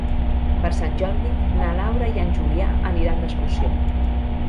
Per Sant Jordi na Laura i en Julià aniran d'excursió.